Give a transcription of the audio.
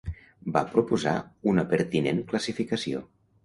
Va proposar una pertinent classificació.